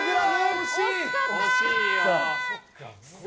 惜しかった。